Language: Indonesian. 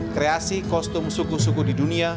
kreasi kostum suku suku di dunia